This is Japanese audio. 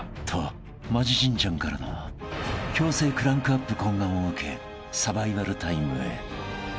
［とマジ陣ちゃんからの強制クランクアップ懇願を受けサバイバルタイムへ］